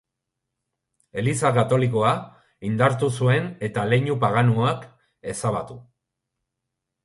Eliza katolikoa indartu zuen eta leinu paganoak ezabatu.